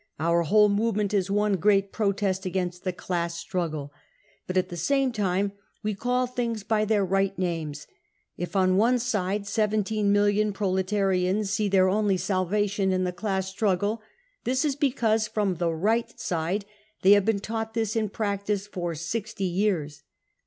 Our whole movement is one great protest against the class struggle. ... But at the same time we call things by their right names : if on one side 1 7 million proletarians see their only salvation in the class struggle, this is because, from the Right side, they have been taught this in practice for 60 years.